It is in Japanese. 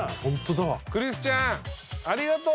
クリスチャンありがとう。